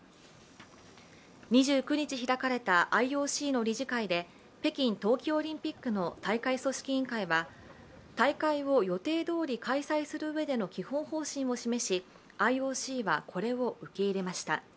２９日開かれたＩＯＣの理事会で北京冬季オリンピックの大会組織委員会は大会を予定どおり開催するうえでの基本方針を示しＩＯＣはこれを受け入れました。